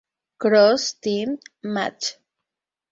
Cross Team Match!